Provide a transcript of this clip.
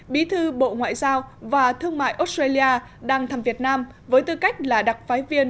bí thư bộ ngoại giao và thương mại australia đang thăm việt nam với tư cách là đặc phái viên